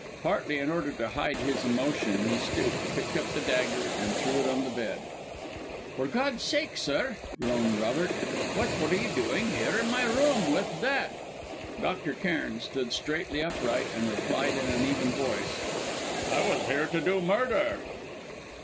Partly in order to hide his emotion, he stooped, picked up the dagger, and threw it on the bed. "For God's sake, sir," groaned Robert, "what were you doing here in my room with that!" Dr. Cairn stood straightly upright and replied in an even voice: "I was here to do murder!"